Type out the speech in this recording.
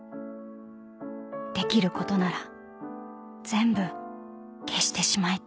［できることなら全部消してしまいたい］